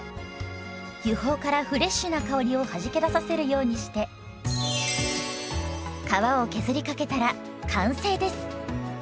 油胞からフレッシュな香りをはじけ出させるようにして皮を削りかけたら完成です。